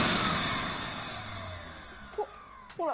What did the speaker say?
ほっほら！